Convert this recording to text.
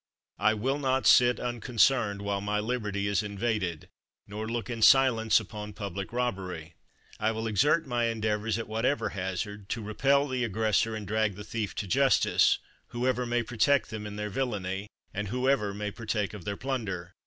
I will not sit unconcerned while my liberty is invaded, nor look in silence upon public robbery. I will exert my endeavors at whatever hazard to repel the aggressor and drag the thief to justice, whoever may protect them in their villainy, and whoever may partake of their plunder.